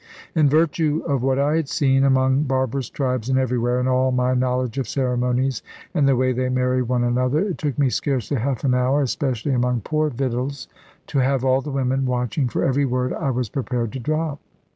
In virtue of what I had seen, among barbarous tribes and everywhere, and all my knowledge of ceremonies, and the way they marry one another, it took me scarcely half an hour (especially among poor victuals) to have all the women watching for every word I was prepared to drop.